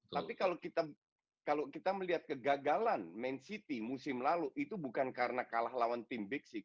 tapi kalau kita melihat kegagalan man city musim lalu itu bukan karena kalah lawan tim biksik